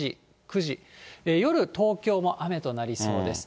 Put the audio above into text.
夜、東京も雨となりそうです。